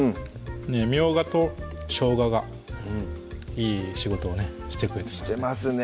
みょうがとしょうががいい仕事をねしてくれてますしてますね